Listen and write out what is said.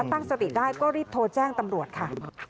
ตั้งสติได้ก็รีบโทรแจ้งตำรวจค่ะ